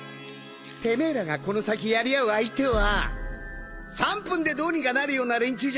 てめえらがこの先やり合う相手は３分でどうにかなるような連中じゃねえぞ